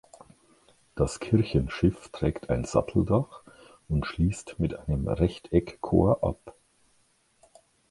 Das Kirchenschiff trägt ein Satteldach und schließt mit einem Rechteckchor ab.